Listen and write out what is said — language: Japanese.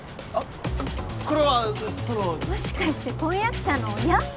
あっこれはそのもしかして婚約者の親？